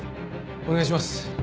お願いします。